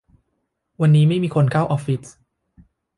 วันนี้ไม่มีคนเข้าออฟฟิศ